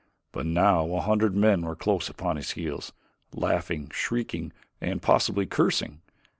But now a hundred men were close upon his heels, laughing, shrieking, and possibly cursing.